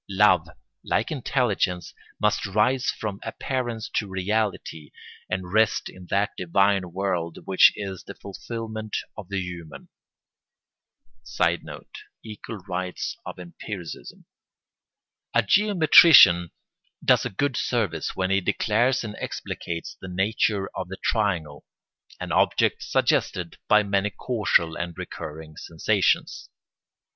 Love, like intelligence, must rise from appearance to reality, and rest in that divine world which is the fulfilment of the human. [Sidenote: Equal rights of empiricism.] A geometrician does a good service when he declares and explicates the nature of the triangle, an object suggested by many casual and recurring sensations.